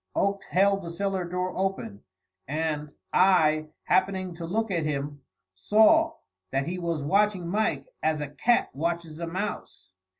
Oakes held the cellar door open, and I, happening to look at him, saw that he was watching Mike as a cat watches a mouse.